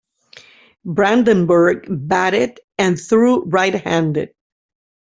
Brandenburg batted and threw right-handed.